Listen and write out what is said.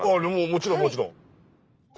もちろんもちろん。